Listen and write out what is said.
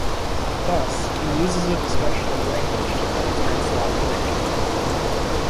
Thus he uses a discussion of language to demonstrate sloppy thinking.